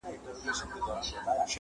بس چي کله دي کابل کي یوه شپه سي,